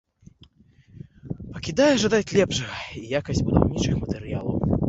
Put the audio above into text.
Пакідае жадаць лепшага і якасць будаўнічых матэрыялаў.